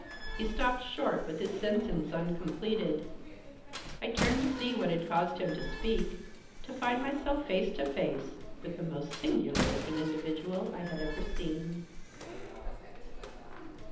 He stopped short, with his sentence uncompleted. I turned to see what had caused him to speak — to find myself face to face with the most singular looking individual I had ever seen.